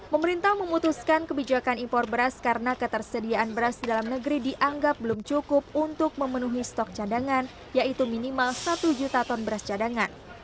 pemerintah memutuskan kebijakan impor beras karena ketersediaan beras di dalam negeri dianggap belum cukup untuk memenuhi stok cadangan yaitu minimal satu juta ton beras cadangan